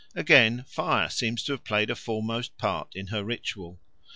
Again, fire seems to have played a foremost part in her ritual.